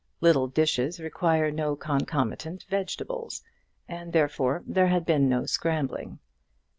Little dishes require no concomitant vegetables, and therefore there had been no scrambling.